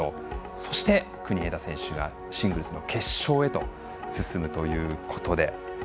そして、国枝選手がシングルスの決勝へと進むということで。